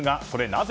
なぜ